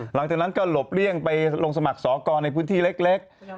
หลังจากนั้นก็หลบเลี่ยงไปลงสมัครสอกรในพื้นที่เล็ก